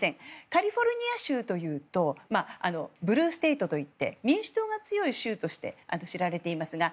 カリフォルニア州というとブルーステートといって民主党が強い州として知られていますが